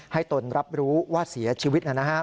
ตนรับรู้ว่าเสียชีวิต